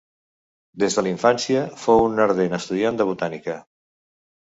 Des de la infància, fou un ardent estudiant de botànica.